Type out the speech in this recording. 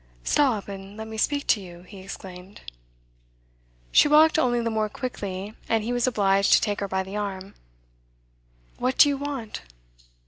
'Stop, and let me speak to you,' he exclaimed. She walked only the more quickly, and he was obliged to take her by the arm. 'What do you want?